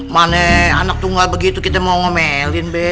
mana anak tunggal begitu kita mau ngemeelin be